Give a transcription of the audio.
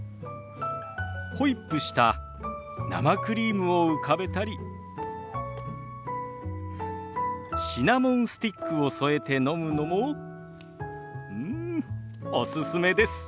ホイップした生クリームを浮かべたりシナモンスティックを添えて飲むのもうんおすすめです。